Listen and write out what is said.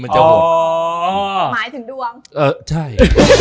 เออใช่